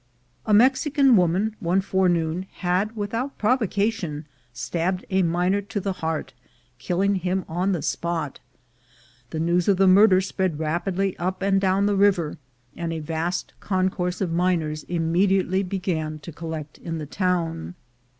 A Mexican woman one forenoon had, without prov ocation, stabbed a miner to the heart, killing him on the spot. The news of the murder spread rapidly up and down the river, and a vast concourse of miners immediately began to collect in the town.